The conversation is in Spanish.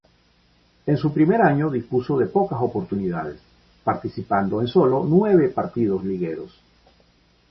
En su primer año dispuso de pocas oportunidades, participando en sólo nueve partidos ligueros.